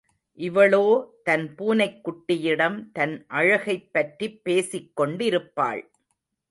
இவளோ தன் பூனைக் குட்டியிடம் தன் அழகைப் பற்றிப் பேசிக்கொண்டிருப்பாள்.